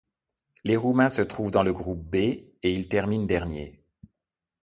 Les Roumains se trouvent dans le groupe B et ils terminent derniers.